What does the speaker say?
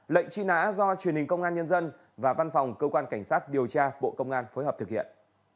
lệnh truy nã do truyền hình công an nhân dân và văn phòng cơ quan cảnh sát điều tra bộ công an phối hợp thực hiện